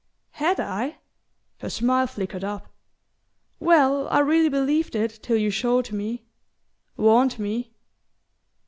"Had I?" Her smile flickered up. "Well, I really believed it till you showed me ... warned me..."